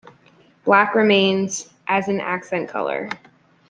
Black remains as an accent color.